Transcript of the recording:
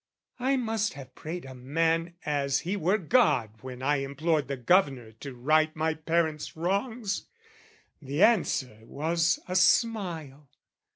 I must have prayed a man as he were God When I implored the Governor to right My parents' wrongs: the answer was a smile.